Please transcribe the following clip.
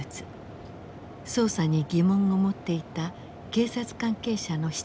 捜査に疑問を持っていた警察関係者の一人だった。